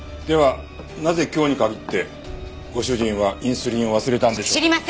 ではなぜ今日に限ってご主人はインスリンを忘れたんでしょう？